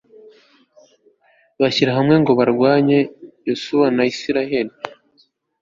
bashyira hamwe ngo barwanye yozuwe na israheli